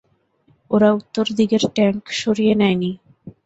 ওরা উত্তর দিকের ট্যাংক সরিয়ে নেয়নি।